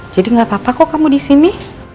jadi gak apa apa kok kamu disini